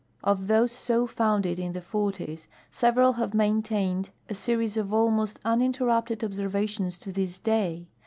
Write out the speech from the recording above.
Of those so founded in the forties, several have maintained a series of almost uninterrupted observations to this day.